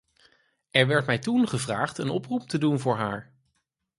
Er werd mij toen gevraagd een oproep te doen voor haar.